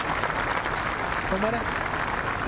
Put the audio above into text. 止まれ！